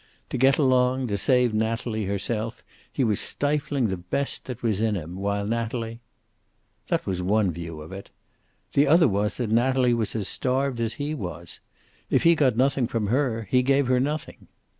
To get along, to save Natalie herself, he was stifling the best that was in him, while Natalie That was one view of it. The other was that Natalie was as starved as he was. If he got nothing from her, he gave her nothing.